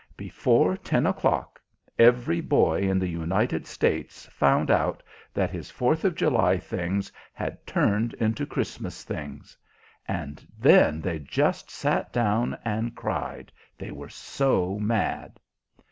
Before ten o'clock every boy in the United States found out that his Fourth of July things had turned into Christmas things; and then they just sat down and cried they were so mad.